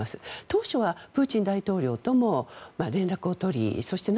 当初はプーチン大統領とも連絡を取りそして